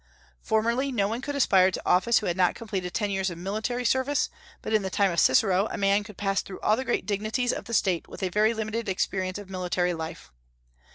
Formerly no one could aspire to office who had not completed ten years of military service, but in the time of Cicero a man could pass through all the great dignities of the State with a very limited experience of military life.